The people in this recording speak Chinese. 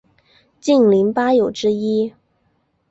竟陵八友之一。